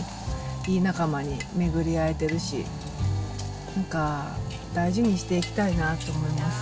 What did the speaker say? いい仲間に巡り会えてるし、大事にしていきたいなと思います。